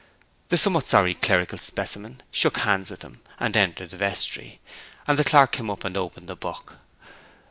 The somewhat sorry clerical specimen shook hands with them, and entered the vestry; and the clerk came up and opened the book.